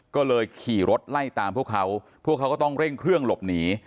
ก็เลยขี่รถไล่ตามพวกเขาพวกเขาก็ต้องเร่งเครื่องหลบหนี